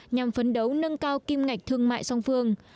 nhằm phấn đấu nâng cao kim ngạch thương mại song phương